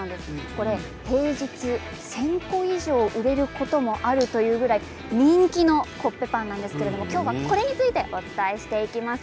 これは平日１０００個以上売れることもあるというぐらい人気のコッペパンなんですけれど今日はこれについてお伝えしていきます。